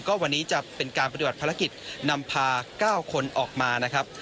วันนี้จะเป็นการปฏิบัติภารกิจนำพา๙คนออกมานะครับ